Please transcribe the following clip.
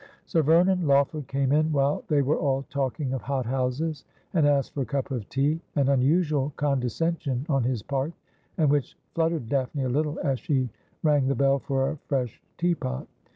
Sir Vernon Lawford came in while they were all talking of hot houses, and asked for a cup of tea, an unusual condescen sion on his part, and which fluttered Daphne a little as she rang the bell for a fresh teapot.